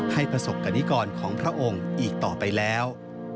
ประสบกรณิกรของพระองค์อีกต่อไปแล้ว